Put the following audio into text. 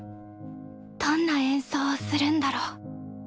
どんな演奏をするんだろう？